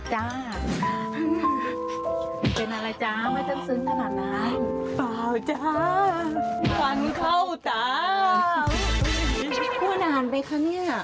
หัวนานไปคะเนี่ย